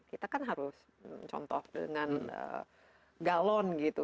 kita kan harus contoh dengan galon gitu